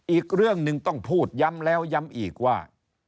อีกเรื่องหนึ่งต้องพูดย้ำแล้วย้ำอีกว่า